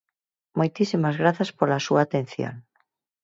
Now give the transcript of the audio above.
Moitísimas grazas pola súa atención.